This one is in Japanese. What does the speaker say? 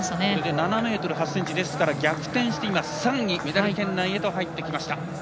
７ｍ８ｃｍですから逆転して３位でメダル圏内入ってきました。